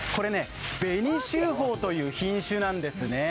紅秀峰という品種なんですね。